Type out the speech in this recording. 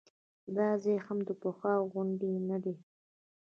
دا ځای هم د پخوا غوندې نه دی.